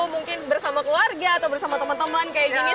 mungkin bersama keluarga atau bersama teman teman kayak gini